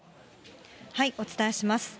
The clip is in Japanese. お伝えします。